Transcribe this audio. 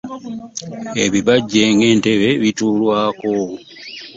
Ebibajje nga entebe bituulwako.